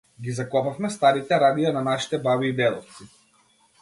Ги закопавме старите радија на нашите баби и дедовци.